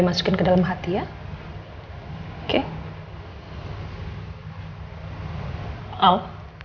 mama benci sama kamu